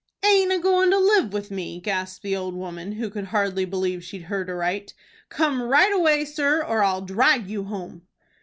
"Aint a goin' to live with me?" gasped the old woman, who could hardly believe she heard aright. "Come right away, sir, or I'll drag you home."